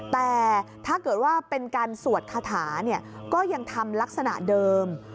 แต่ถ้าเกิดว่าเป็นการสวดคาถาก็ยังทำลักษณะเดิม